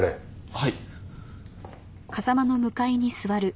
はい。